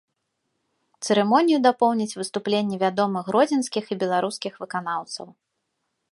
Цырымонію дапоўняць выступленні вядомых гродзенскіх і беларускіх выканаўцаў.